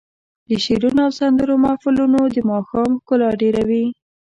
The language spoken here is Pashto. د شعرونو او سندرو محفلونه د ماښام ښکلا ډېروي.